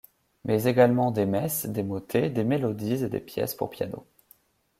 Mais également des messes, des motets, des mélodies et des pièces pour piano.